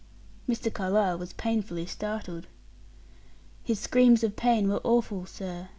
Mr. Carlyle was painfully startled. "His screams of pain were awful, sir.